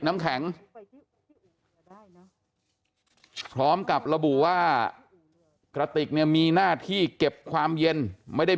น้ำแข็งพร้อมกับระบุว่ากระติกเนี่ยมีหน้าที่เก็บความเย็นไม่ได้